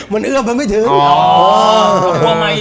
มันเอื้อมไปไม่ถึง